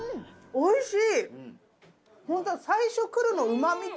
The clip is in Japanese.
おいしい！